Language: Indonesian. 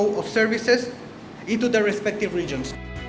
untuk peluang perusahaan ke region region